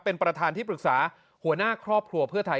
เป็นประธานที่ปรึกษาหัวหน้าครอบครัวเพื่อไทย